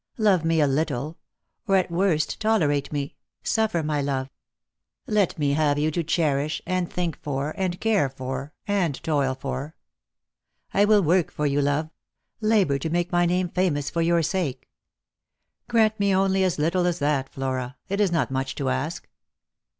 Love me a little ; or at worst tolerate me ; suffer my love. Let me have you to cherish, and think for, and care for, and toil for. I will work for you, love ; labour to make my name famous for your sake. Grant me only as little as that, Flora ; it is not much to ask."